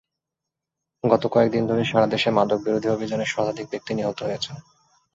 গত কয়েক দিন ধরে সারা দেশে মাদকবিরোধী অভিযানে শতাধিক ব্যক্তি নিহত হয়েছেন।